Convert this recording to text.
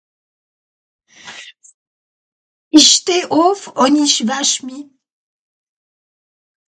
isch steh ùff ùn isch wasch mi